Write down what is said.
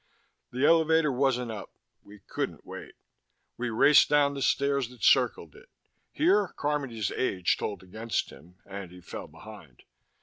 The elevator wasn't up. We couldn't wait. We raced down the stairs that circled it. Here Carmody's age told against him, and he fell behind.